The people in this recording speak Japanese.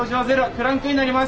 クランクインになります。